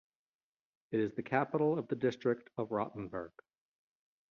It is the capital of the district of Rotenburg.